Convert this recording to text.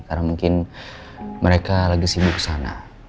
karena mungkin mereka lagi sibuk sana